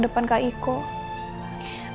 oh di vagabundy kenapa sih